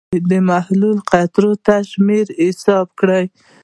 د محلول د قطراتو شمېر حساب کړئ.